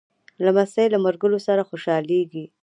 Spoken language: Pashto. لمسی له ملګرو سره خوشحالېږي.